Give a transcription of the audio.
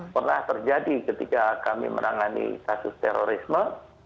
pernah terjadi ketika kami menangani kasus terorisme